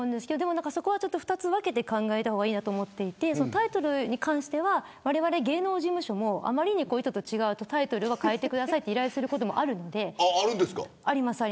そこは分けて考えた方がいいと思っていてタイトルに関してはわれわれ芸能事務所もあまりに意図と違うと変えてくださいと依頼することはあります。